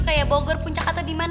kayak bogor puncak atau dimana